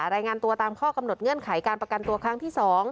รายงานตัวตามข้อกำหนดเงื่อนไขการประกันตัวครั้งที่๒